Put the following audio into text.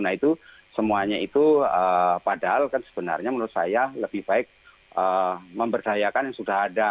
nah itu semuanya itu padahal kan sebenarnya menurut saya lebih baik memberdayakan yang sudah ada